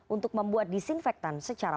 untuk membuat disinfektan secara